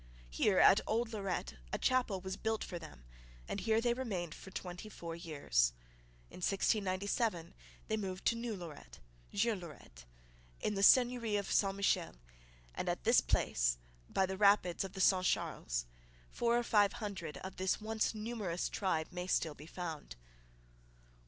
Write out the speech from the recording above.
Here at Old Lorette a chapel was built for them and here they remained for twenty four years. In 1697 they moved to New Lorette Jeune Lorette in the seigneury of St Michel, and at this place, by the rapids of the St Charles, four or five hundred of this once numerous tribe may still be found.